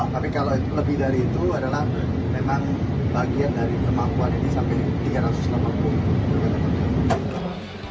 tapi kalau lebih dari itu adalah memang bagian dari kemampuan ini sampai tiga ratus delapan puluh mm